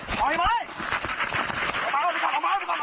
ออกมาออกมาก่อนออกมาก่อน